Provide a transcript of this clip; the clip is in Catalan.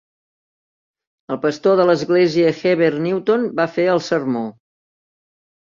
El pastor de l'església, Heber Newton, va fer el sermó.